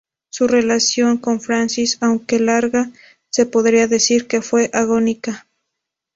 Su relación con Francis, aunque larga, se podría decir que fue agónica.